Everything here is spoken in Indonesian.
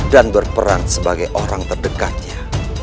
dan berperan sebagai orang terdekatnya